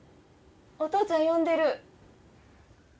お父ちゃん呼んでる。